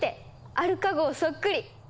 アルカ号そっくり！